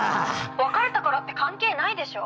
別れたからって関係ないでしょ？